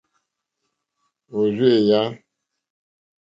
Òrzèèyá.